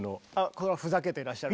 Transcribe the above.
これはふざけてらっしゃる？